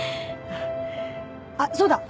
あっそうだ！